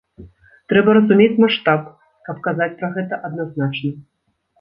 Трэба разумець маштаб, каб казаць пра гэта адназначна.